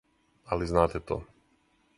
Али знате то.